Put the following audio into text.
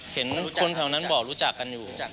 เห็นคนแถวนั้นบอกรู้จักกันอยู่